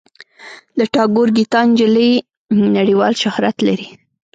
د ټاګور ګیتا نجلي نړیوال شهرت لري.